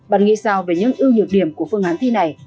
bạn nghĩ sao về những ưu nhược điểm của phương án thi này